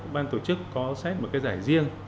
ban tổ chức có xét một cái giải riêng